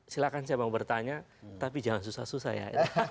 silahkan saya mau bertanya tapi jangan susah susah ya